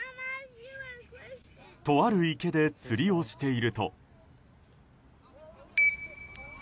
とある池で釣りをしていると。